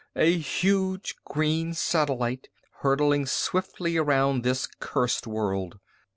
A huge green satellite hurtling swiftly around this cursed world!